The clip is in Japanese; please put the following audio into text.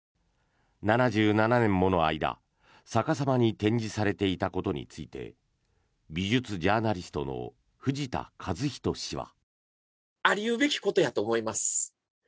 ７７年もの間、逆さまに展示されていたことについて美術ジャーナリストの藤田一人氏は。